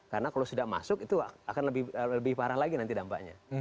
karena kalau sudah masuk itu akan lebih parah lagi nanti dampaknya